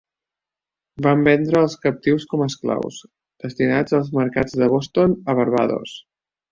Van vendre els captius com a esclaus, destinats als mercats de Boston a Barbados.